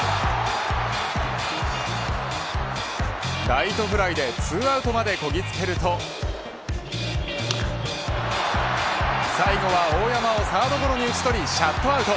ライトフライで２アウトまでこぎつけると最後は大山をサードゴロに打ち取り、シャットアウト。